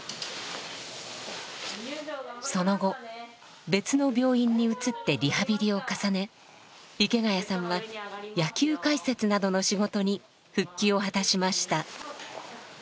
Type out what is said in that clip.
その後別の病院に移ってリハビリを重ね池谷さんは野球解説などの仕事に復帰を果たしました。